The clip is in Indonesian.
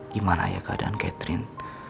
gimana ya keadaan catherine